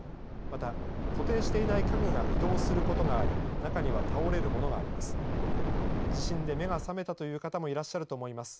また、固定していない家具が移動することがあり、中には倒れるものがあります。